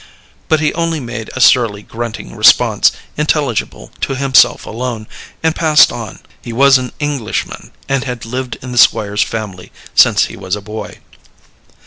But he only made a surly grunting response, intelligible to himself alone, and passed on. He was an Englishman, and had lived in the Squire's family since he was a boy.